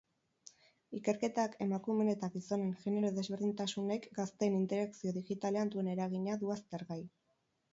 Ikerketak emakumeen eta gizonen genero desberdintasunek gazteen interakzio digitalean duten eragina du aztergai.